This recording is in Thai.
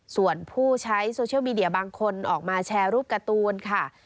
ส่วนผู้ใช้โซเชียลมีเดียบางคนออกมาแชร์รูปการ์ตูนค่ะ